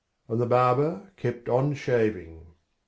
And the barber kept on shaving.